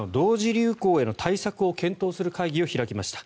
流行への対策を検討する会議を開きました。